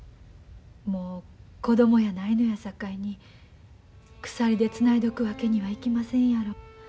もう子供やないのやさかいに鎖でつないどくわけにはいきませんやろ。